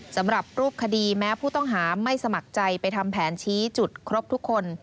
สำหรับรูปคดีแม้ผู้ต้องหาไม่สมัครใจไปทำแผนชี้จุดครบทุกคน